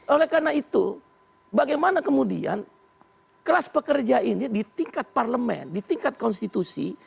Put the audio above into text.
oleh karena itu bagaimana kemudian kelas pekerja ini di tingkat parlemen di tingkat konstitusi